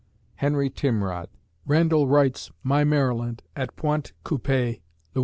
HENRY TIMROD _Randall writes "My Maryland" at Pointe Coupee, La.